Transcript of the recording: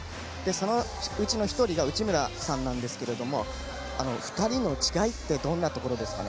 そのうちの１人が内村さんなんですけれども２人の違いってどんなところですか？